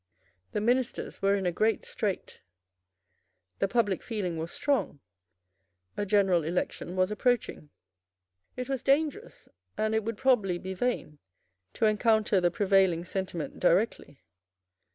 The ministers were in a great strait; the public feeling was strong; a general election was approaching; it was dangerous and it would probably be vain to encounter the prevailing sentiment directly.